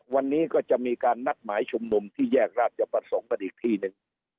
วันนี้ก็จะมีการนัดหมายชุมนุมที่แยกราชประสงค์กันอีกทีหนึ่ง